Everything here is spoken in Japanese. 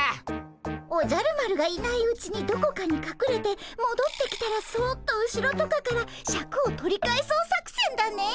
「おじゃる丸がいないうちにどこかにかくれてもどってきたらそっと後ろとかからシャクを取り返そう作戦」だね！